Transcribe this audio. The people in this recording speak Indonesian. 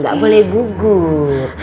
gak boleh gugup